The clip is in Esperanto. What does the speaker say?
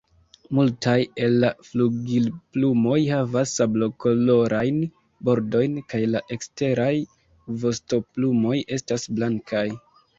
Multaj el la flugilplumoj havas sablokolorajn bordojn, kaj la eksteraj vostoplumoj estas blankaj.